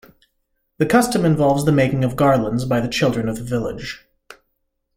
The custom involves the making of garlands by the children of the village.